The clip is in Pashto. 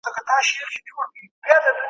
هغه به تر ماښامه خپله لیکنه بشپړوي.